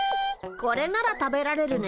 これなら食べられるね。